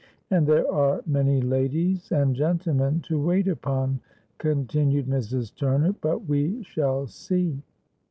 —'And there are many ladies and gentlemen to wait upon,' continued Mrs. Turner: 'but we shall see.'